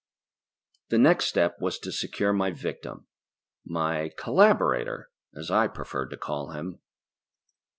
The next step was to secure my victim my collaborator, I preferred to call him.